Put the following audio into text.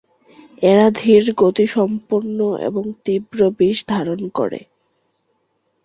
এরা ধীর গতিসম্পন্ন এবং তীব্র বিষ ধারণ করে।